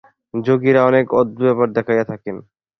যোগীরা অনেক অদ্ভুত ব্যাপার দেখাইয়া থাকেন।